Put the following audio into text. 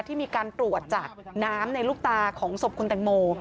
ที่มีการตรวจจากน้ำในลูกตาของศพคุณแตงโม